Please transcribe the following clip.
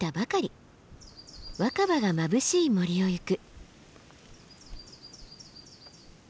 若葉がまぶしい森を行く。